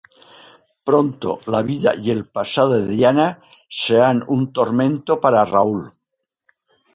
Pronto, la vida y el pasado de Diana serán un tormento para Raúl.